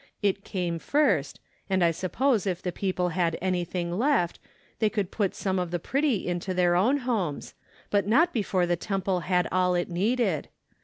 It came first, and I suppose if the people had anything left, they could put some of the pretty into their own homes, but not before the Temple had all it needed.